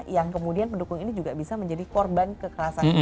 yang kemudian pendukung ini juga bisa menjadi korban kekerasan